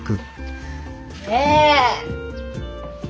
ねえ！